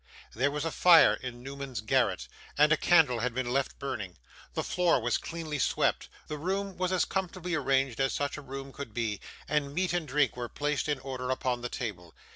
There was a fire in Newman's garret; and a candle had been left burning; the floor was cleanly swept, the room was as comfortably arranged as such a room could be, and meat and drink were placed in order upon the table.